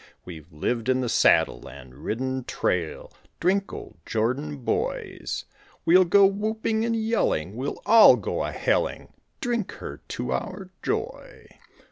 We've lived in the saddle and ridden trail, Drink old Jordan, boys, We'll go whooping and yelling, we'll all go a helling; Drink her to our joy.